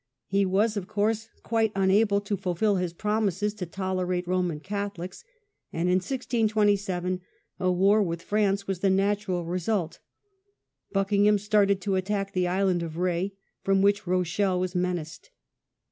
He was of course quite unable to fulfil his promises to tolerate Roman Catholics, and in 1627 a war with France was the natural result. Bucking ham started to attack the island of Rh^, from which Rochelle was menaced.